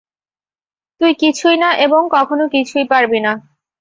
তুই কিছুই না এবং কখনো কিছুই পারবি না।